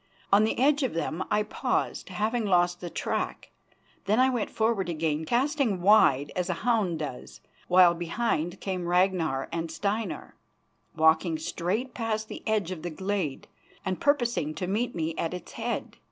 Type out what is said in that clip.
On the edge of them I paused, having lost the track. Then I went forward again, casting wide as a hound does, while behind came Ragnar and Steinar, walking straight past the edge of the glade, and purposing to meet me at its head.